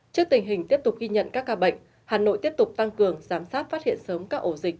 trước tình hình tiếp tục ghi nhận các ca bệnh hà nội tiếp tục tăng cường giám sát phát hiện sớm các ổ dịch